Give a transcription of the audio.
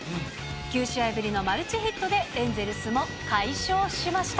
９試合ぶりのマルチヒットで、エンゼルスも解消しました。